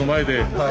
はい。